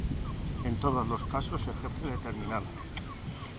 En todos los casos ejerce de terminal.